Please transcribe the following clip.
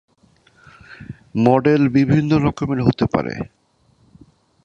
Model বিভিন্ন রকমের হতে পারে।